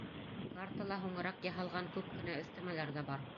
Картала һуңыраҡ яһалған күп кенә өҫтәмәләр ҙә бар.